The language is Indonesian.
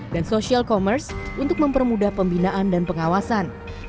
social commerce untuk mempermudah pembinaan dan pengawasan